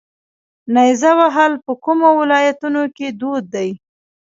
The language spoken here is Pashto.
نیزه وهل په کومو ولایتونو کې دود دي؟